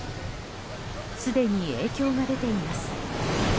すでに影響が出ています。